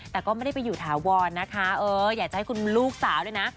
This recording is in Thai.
แต่ก็ไม่ได้ไปอยู่ถาวรนะคะเอออยากจะให้คุณลูกสาวด้วยนะ